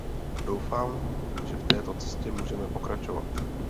Doufám, že v této cestě můžeme pokračovat.